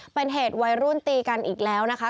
เป็นเหตุวัยรุ่นตีกันอีกแล้วนะคะ